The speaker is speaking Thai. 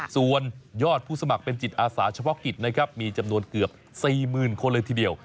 ส่วนยอดผู้สมัครเป็นจิตอาสาเฉพาะกิจนะครับมีจำนวนเกือบ๔๐๐๐คนเลยทีเดียว